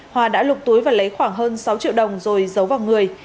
hòa đã lục túi và lấy khoảng hơn sáu triệu đồng rồi giấu vào người